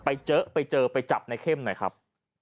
ไปเจอไปเจอไปจับในเข้มหน่อยครับ